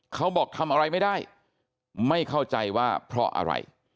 เขาบอกทำอะไรไม่ได้ไม่เข้าใจว่าเพราะอะไร